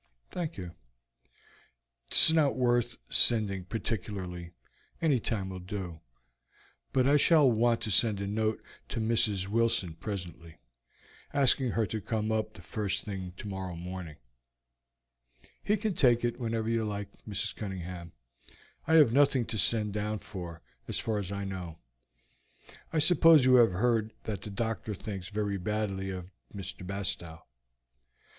"Thank you; 'tis not worth sending particularly, any time will do, but I shall want to send a note to Mrs. Wilson presently, asking her to come up the first thing tomorrow morning." "He can take it whenever, you like, Mrs. Cunningham. I have nothing to send down for, as far as I know. I suppose you have heard that the doctor thinks very badly of Mr. Bastow?"